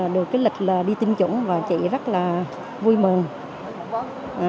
được cái lịch là đi tiêm chủng và chị rất là vui mừng